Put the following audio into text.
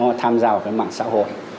nó tham gia vào mạng xã hội